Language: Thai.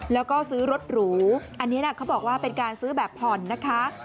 แล้วก็ซื้อรถหรูอันนี้เขาบอกว่าเป็นการซื้อแบบผ่อนนะคะ